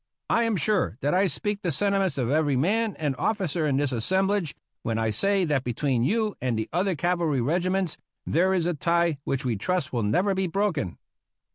I am sure that I speak the senti ments of every man and officer in this assemblage when I say that between you and the other cavalry regiments there is a tie which we trust will never be broken.